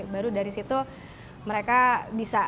baru dari situ mereka bisa